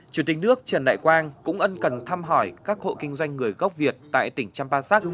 chủ tịch nước trần đại quang cũng ân cần thăm hỏi các hộ kinh doanh người gốc việt tại tỉnh champasak